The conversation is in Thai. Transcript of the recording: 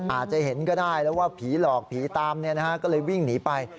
อาจจะเห็นก็ได้แล้วว่าผีหลอกผีตามก็เลยวิ่งหนีไป